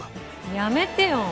「やめてよ」